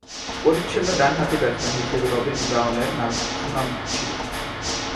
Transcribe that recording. পরিচ্ছন্ন ডানহাতি ব্যাটসম্যান হিসেবে রবিন ব্রাউনের সুনাম ছিল।